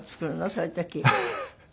そういう時。